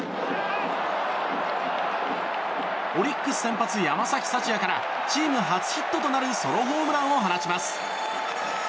オリックス先発、山崎福也からチーム初ヒットとなるソロホームランを放ちます。